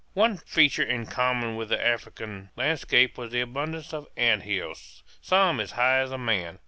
One feature in common with the African landscape was the abundance of ant hills, some as high as a man.